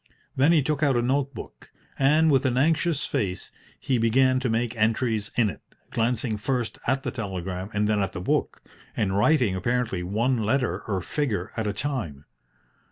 Then he took out a note book, and, with an anxious face, he began to make entries in it, glancing first at the telegram and then at the book, and writing apparently one letter or figure at a time.